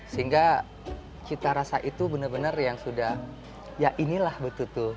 sehingga cita rasa itu benar benar yang sudah ya inilah betul betul